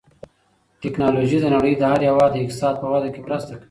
تکنالوژي د نړۍ د هر هېواد د اقتصاد په وده کې مرسته کوي.